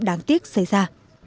đáng tiếc xảy ra